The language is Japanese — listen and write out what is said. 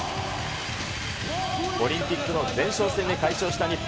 オリンピックの前哨戦で快勝した日本。